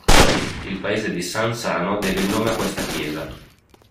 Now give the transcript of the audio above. Il paese di San Sano deve il nome a questa chiesa.